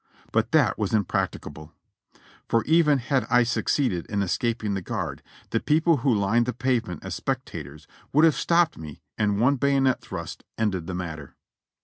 But that was impracticable ; for even had I succeeded in escap ing the guard, the people who lined the pavement as spectators would have stopped me and one bayonet thrust ended the matter.